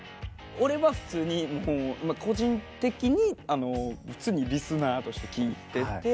俺は普通に個人的にリスナーとして聴いてて。